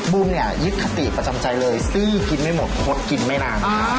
บุมเนี่ยยึดคติประจำใจเลยซื้อกินไม่หมดคดกินไม่นาน